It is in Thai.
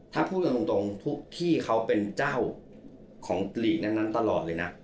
ถ้าพูดจริงที่เขาเป็นเจ้าของลีกนั้นตลอดเลยนะ